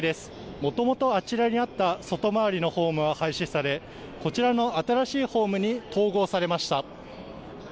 もともとあちらにあった外回りのホームは廃止されこちらの新しいホームに統合されました